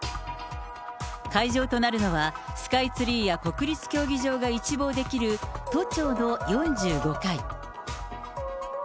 会場となるのは、スカイツリーや国立競技場が一望できる都庁の４５階。